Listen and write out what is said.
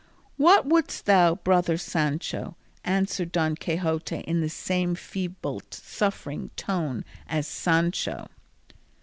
"What wouldst thou, brother Sancho?" answered Don Quixote in the same feeble suffering tone as Sancho.